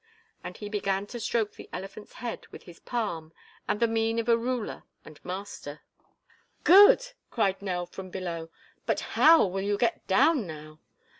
And he began to stroke the elephant's head with his palm with the mien of a ruler and master. "Good!" cried Nell from below, "but how will you get down now?"